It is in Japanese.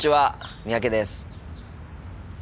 三宅です。